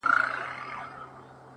• نه روپۍ به له جېبو څخه ورکیږي ,